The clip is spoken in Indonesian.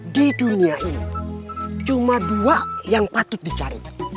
di dunia ini cuma dua yang patut dicari